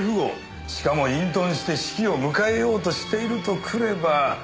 しかも隠遁して死期を迎えようとしているとくれば。